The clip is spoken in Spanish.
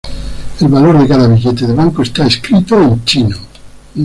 El valor de cada billete de banco está escrito en chino.